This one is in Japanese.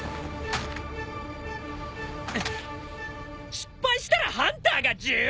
失敗したらハンターが１６体！？